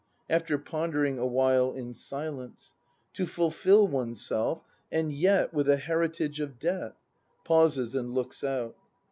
[After pondering awhile in silence.J To fulfil oneself! And yet. With a heritage of debt? [Pauses and looks out.